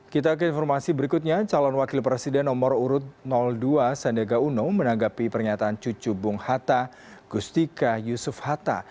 kita ke informasi berikutnya calon wakil presiden nomor urut dua sandiaga uno menanggapi pernyataan cucu bung hatta gustika yusuf hatta